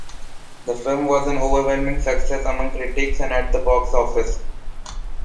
The film was an overwhelming success among critics and at the box office.